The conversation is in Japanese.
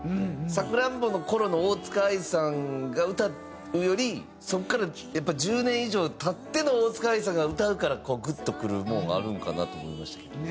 『さくらんぼ』の頃の大塚愛さんが歌うよりそこから１０年以上経っての大塚愛さんが歌うからこうグッとくるものがあるんかなと思いましたけど。